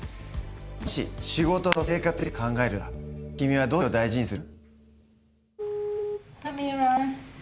もし仕事と生活について考えるなら君はどっちを大事にする？